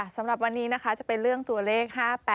สำหรับวันนี้นะคะจะเป็นเรื่องตัวเลข๕๘